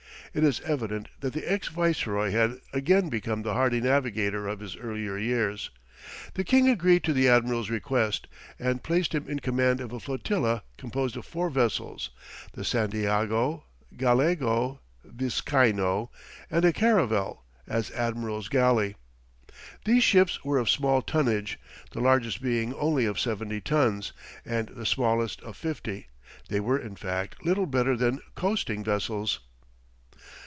It is evident that the ex Viceroy had again become the hardy navigator of his earlier years. The king agreed to the admiral's request, and placed him in command of a flotilla composed of four vessels, the Santiago, Gallego, Vizcaino, and a caravel, as admiral's galley. These ships were of small tonnage, the largest being only of seventy tons, and the smallest of fifty; they were in fact, little better than coasting vessels.